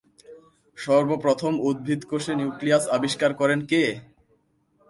সর্বপ্রথম উদ্ভিদকোষে নিউক্লিয়াস আবিষ্কার করেন কে?